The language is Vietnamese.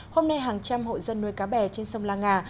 hôm nay hàng trăm hộ dân nuôi cá bè trên sông la nga